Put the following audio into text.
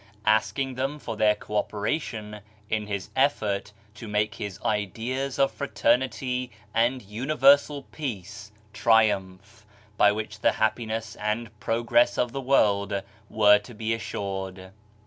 asking them for their co operation in his effort to make his ideas of fraternity and universal peace triumph, by which the happiness and progress of the world were to be assured.